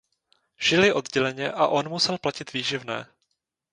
Žili odděleně a on musel platit výživné.